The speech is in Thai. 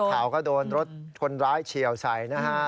ข่าวก็โดนรถคนร้ายเฉียวใส่นะฮะ